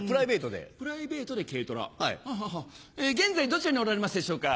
現在どちらにおられますでしょうか？